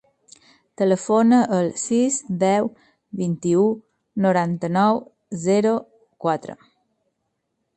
Telefona al sis, deu, vint-i-u, noranta-nou, zero, quatre.